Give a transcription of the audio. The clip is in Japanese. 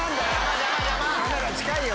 カメラ近いよ！